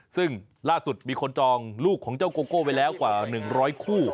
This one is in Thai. ซึ่งล่าสุดมีคนจองลูกของเจ้าโกโก้ไปแล้วกว่า๑๐๐คู่